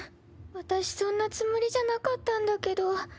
私そんなつもりじゃなかったんだけど。